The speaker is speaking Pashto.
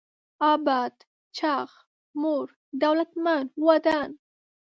اباد: چاغ، موړ، دولتمن، ودان